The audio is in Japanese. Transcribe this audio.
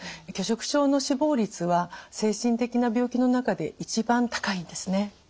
拒食症の死亡率は精神的な病気の中で一番高いんですね。